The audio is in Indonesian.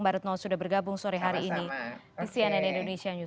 mbak retno sudah bergabung sore hari ini di cnn indonesia newsro